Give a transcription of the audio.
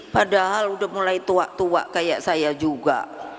padahal udah mulai tua tua kayak saya juga